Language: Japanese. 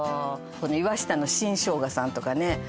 この岩下の新生姜さんとかね